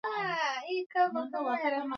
alijitokeza kwake katika umbile la nyoka